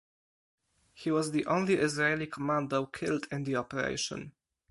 He was the only Israeli commando killed in the operation.